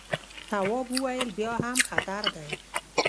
تواب وويل: بیا هم خطر دی.